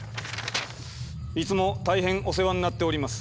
「いつも大変お世話になっております。